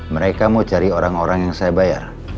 mereka mau cari orang orang yang saya bayar